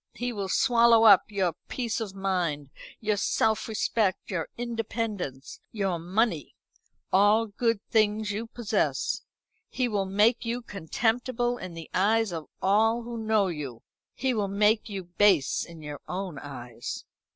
He will swallow up your peace of mind, your self respect, your independence, your money all good things you possess. He will make you contemptible in the eyes of all who know you. He will make you base in your own eyes."